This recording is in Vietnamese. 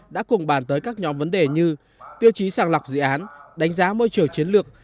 đã cùng bàn tới các nhóm vấn đề như tiêu chí sàng lọc dự án đánh giá môi trường chiến lược